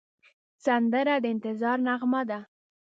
سندره د انتظار نغمه ده